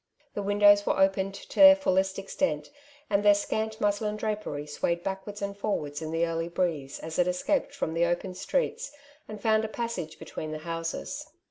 The windows were opened to their fullest extent, and their scant muslin drapery swayed backwards and forwards in the early breeze, as it escaped from the open streets, and found a passage between the houses.